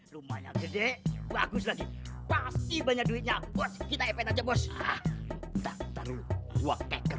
lumayan gede bagus lagi pasti banyak duitnya kita